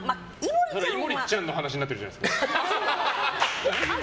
井森ちゃんの話になってるじゃないですか。